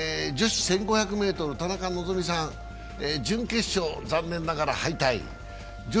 女子１５００ｍ、田中希実さん、準決勝、残念ながら敗退。